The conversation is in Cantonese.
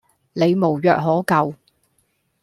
你無藥可救